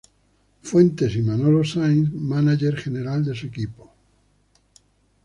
Fuentes y Manolo Saiz, mánager general de su equipo.